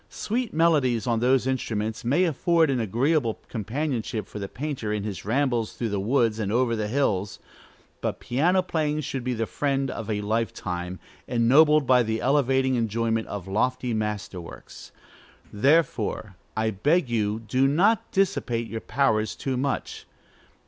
Sweet melodies on those instruments may afford an agreeable companionship for the painter in his rambles through the woods and over the hills; but piano playing should be the friend of a life time, ennobled by the elevating enjoyment of lofty master works. Therefore, I beg you, do not dissipate your powers too much.